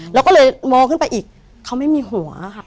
เราก็เลยมองขึ้นไปอีกเขาไม่มีหัวค่ะ